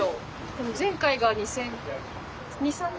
でも前回が２０００。